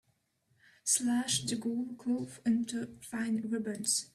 Slash the gold cloth into fine ribbons.